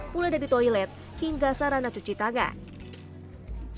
mulai dari toilet hingga sarana cuci tangan